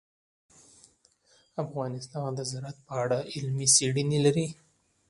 افغانستان د زراعت په اړه علمي څېړنې لري.